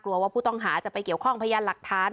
ว่าผู้ต้องหาจะไปเกี่ยวข้องพยานหลักฐาน